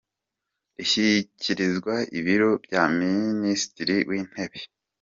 ishyikirizwa ibiro bya Minisiriti w’Intebe.